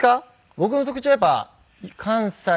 僕の特徴はやっぱり関西。